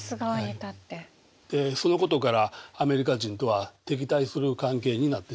そのことからアメリカ人とは敵対する関係になってしまいます。